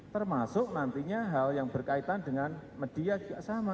termasuk nantinya hal yang berkaitan dengan media juga sama